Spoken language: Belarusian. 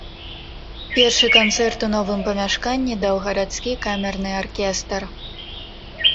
Першы канцэрт у новым памяшканні даў гарадскі камерны аркестр.